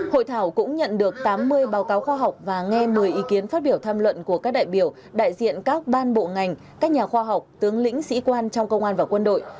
hội thảo cũng nhận được tám mươi báo cáo khoa học và nghe một mươi ý kiến phát biểu tham luận của các đại biểu đại diện các ban bộ ngành các nhà khoa học tướng lĩnh sĩ quan trong công an và quân đội